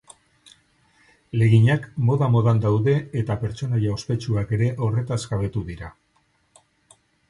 Legginak moda-modan daude eta pertsonaia ospetsuak ere horretaz jabetu dira.